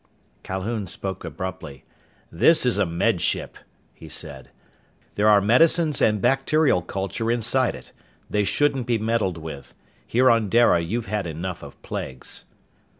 Calhoun spoke abruptly, "This is a Med Ship," he said. "There are medicines and bacterial culture inside it. They shouldn't be meddled with. Here on Dara you've had enough of plagues!"